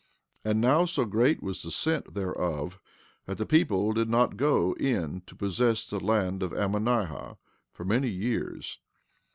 And now so great was the scent thereof that the people did not go in to possess the land of Ammonihah for many years.